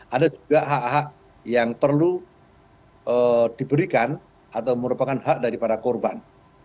ada juga hak hak yang perlu diberikan atau merupakan hak daripada korban